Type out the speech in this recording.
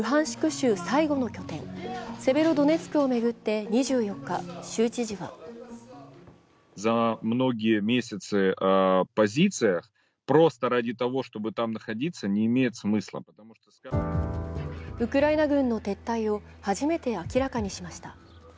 州最後の拠点、セベロドネツクを巡って、２４日、州知事はウクライナ軍の撤退を初めて明らかにしました。